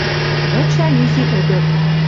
Выча изи ӹдӹр